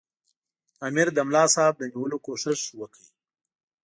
امیر د ملاصاحب د نیولو کوښښ وکړ.